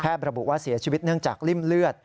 ระบุว่าเสียชีวิตเนื่องจากริ่มเลือด